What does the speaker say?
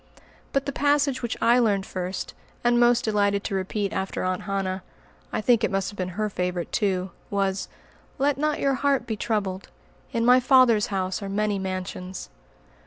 But the passage which I learned first, and most delighted to repeat after Aunt Hannah, I think it must have been her favorite too, was, "Let not your heart be troubled. In my Father's house are many mansions."